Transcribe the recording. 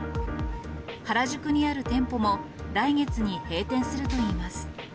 原宿にある店舗も来月に閉店するといいます。